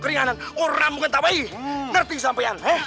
keringanan orang mungkin tak baik nerti sampean